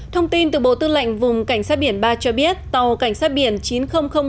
thông tin từ bộ tư lệnh vùng cảnh sát biển ba cho biết tàu cảnh sát biển chín nghìn năm